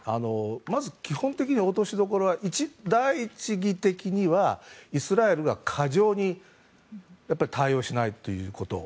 まず基本的に落としどころは第一義的にはイスラエルが過剰に対応しないということ。